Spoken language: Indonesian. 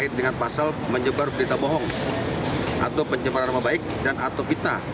terkait dengan pasal menyebar berita bohong atau pencemaran nama baik dan atau fitnah